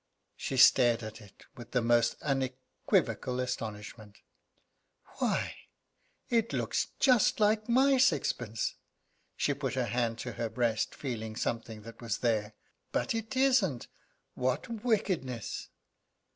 She stared at it with the most unequivocal astonishment. "Why, it looks just like my sixpence." She put her hand to her breast, feeling something that was there. "But it isn't! What wickedness!"